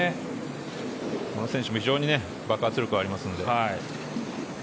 この選手も非常に爆発力がありますので。